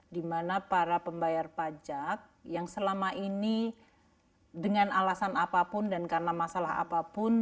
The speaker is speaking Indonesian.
dimana para pembayar pajak yang selama ini dengan alasan apapun dan karena masalah apapun